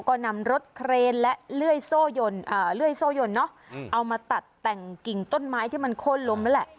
ก็นำรถเครนและเลื่อยโซ่ยนเนอะเอามาตัดแต่งกิ่งต้นไม้ที่มันโค้นล้มนั่นแหละ